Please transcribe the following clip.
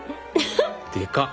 でかっ。